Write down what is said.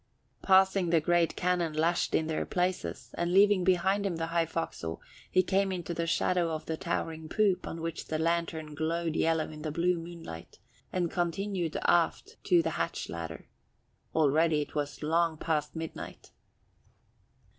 Passing the great cannon lashed in their places, and leaving behind him the high forecastle, he came into the shadow of the towering poop on which the lantern glowed yellow in the blue moonlight, and continued aft to the hatch ladder. Already it was long past midnight.